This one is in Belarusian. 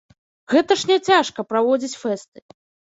Гэта ж не цяжка, праводзіць фэсты.